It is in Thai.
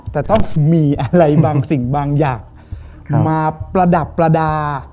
แต่ต้องมีอะไรบางสิ่งบางอย่างมาประดับประดา